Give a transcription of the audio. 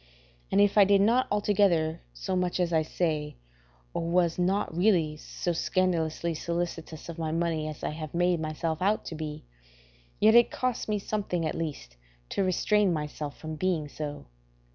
And if I did not altogether so much as I say, or was not really so scandalously solicitous of my money as I have made myself out to be, yet it cost me something at least to restrain myself from being so.